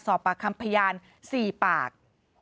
สอบปากคำพยาน๔ปาก